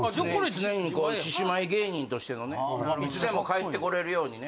常にこう獅子舞芸人としてのねいつでも帰ってこれるようにね